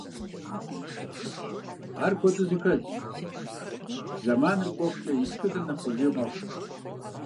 Ар куэду зэхэлъщ, зэманыр кӏуэхукӏэ и тхыдэри нэхъ къулей мэхъу.